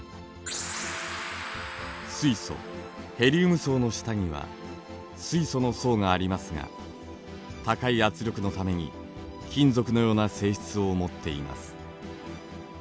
水素・ヘリウム層の下には水素の層がありますが高い圧力のために金属のような性質を持っています。